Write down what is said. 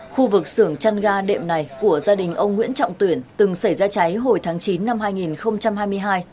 khu vực xưởng chăn ga đệm này của gia đình ông nguyễn trọng tuyển từng xảy ra cháy hồi tháng chín năm hai nghìn hai mươi hai